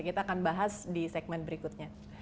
kita akan bahas di segmen berikutnya